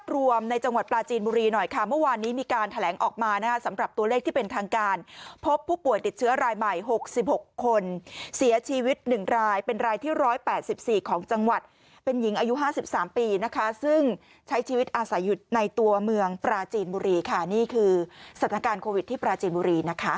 รายเป็นรายที่ร้อยแปดสิบสี่ของจังหวัดเป็นหญิงอายุห้าสิบสามปีนะคะซึ่งใช้ชีวิตอาสาหยุดในตัวเมืองปราจีนบุรีค่ะนี่คือสถานการณ์โควิดที่ปราจีนบุรีนะคะ